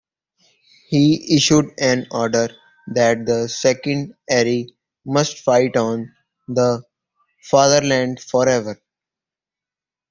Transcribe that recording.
He issued an order that the Second Ary must fight on, "The Fatherland Forever".